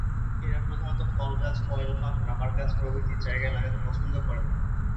এরা প্রধানত ফল গাছ, অয়েল পাম, রাবার গাছ প্রভৃতি জায়গায় থাকতে পছন্দ করে।